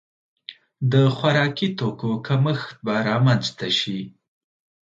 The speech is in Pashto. د خوراکي توکو کمښت به رامنځته شي.